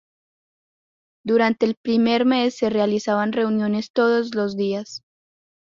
Durante el primer mes se realizaban reuniones todos los días.